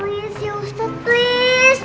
boleh ya sih ustaz please